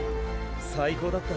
最高だった。